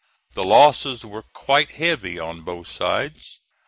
The losses were quite heavy on both sides.